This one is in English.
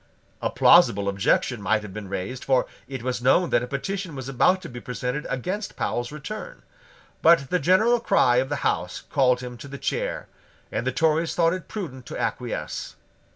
A plausible objection might have been raised; for it was known that a petition was about to be presented against Powle's return: but the general cry of the House called him to the chair; and the Tories thought it prudent to acquiesce.